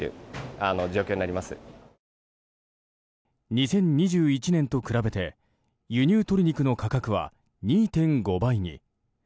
２０２１年と比べて輸入鶏肉の価格は２．５倍に。